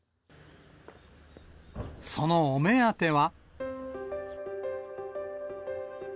そのお目当ては。